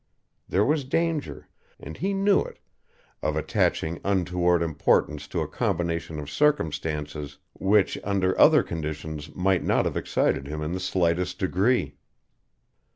There was danger, and he knew it, of attaching untoward importance to a combination of circumstances which under other conditions might not have excited him in the slightest degree.